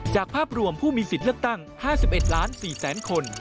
ภาพรวมผู้มีสิทธิ์เลือกตั้ง๕๑ล้าน๔แสนคน